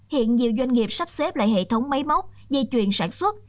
hiện nhiều doanh nghiệp sắp xếp lại hệ thống máy móc dây chuyền sản xuất